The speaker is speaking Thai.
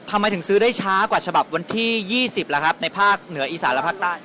ทำไมถึงซื้อได้ช้ากว่าฉบับวันที่๒๐ล่ะครับในภาคเหนืออีสานและภาคใต้